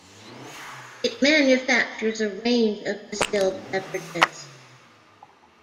It manufactures a range of distilled beverages.